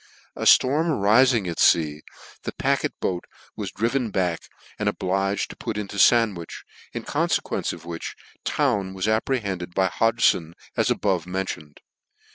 A ftorm arifing at fea, the packet boat was driven back, and obligrd t:> put into Sandwich, in confluence of which Town was apprehended by Hodg on, as above mentioned.